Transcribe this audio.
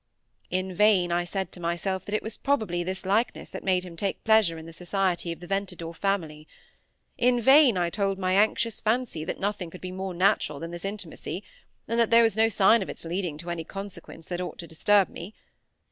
In vain I said to myself that it was probably this likeness that made him take pleasure in the society of the Ventadour family. In vain I told my anxious fancy that nothing could be more natural than this intimacy, and that there was no sign of its leading to any consequence that ought to disturb me.